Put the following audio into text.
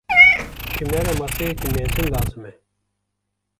Ji me re maseyeke mezin lazim e.